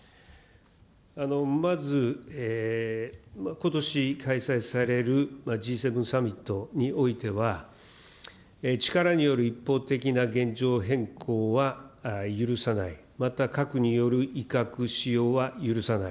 まず、ことし開催されるＧ７サミットにおいては、力による一方的な現状変更は許さない、また核による威嚇、使用は許さない。